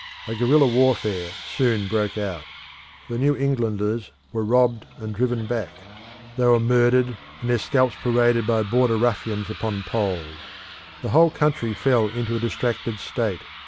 A guerrilla warfare soon broke out; the New Englanders were robbed and driven back; they were murdered, and their scalps paraded by Border ruffians upon poles. The whole country fell into a distracted state.